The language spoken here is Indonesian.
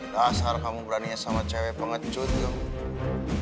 kata kata saya pengecut kamu